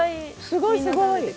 すごいすごい！